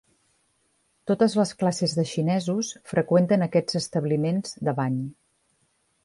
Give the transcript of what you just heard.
Totes les classes de xinesos freqüenten aquests establiments de bany.